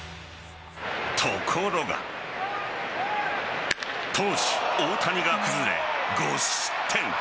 ところが投手・大谷が崩れ、５失点。